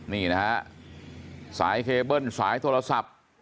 นี่นะฮะสายเคเบิ้ลสายโทรศัพท์